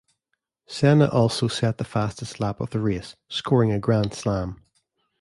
Senna also set the fastest lap of the race, scoring a Grand Slam.